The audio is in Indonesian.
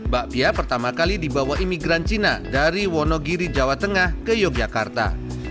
bakpia pertama kali dibawa imigran cina dari wonogiri jawa tengah ke yogyakarta